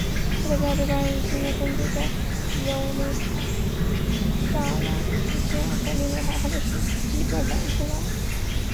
这个价值观与信念分别在尤里卡栅栏事件和绿林好汉的事迹中反映出来。